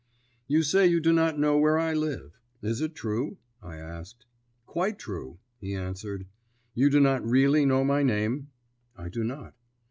"You say you do not know where I live. Is it true?" I asked. "Quite true," he answered. "You do not really know my name?" "I do not."